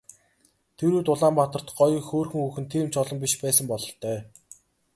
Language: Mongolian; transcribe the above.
Тэр үед Улаанбаатарт гоё хөөрхөн хүүхэн тийм ч олон биш байсан бололтой.